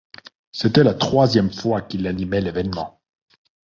C'était la troisième fois qu'il animait l'évènement.